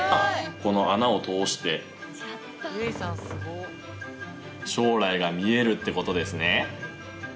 この穴を通して将来が見えるってことですね。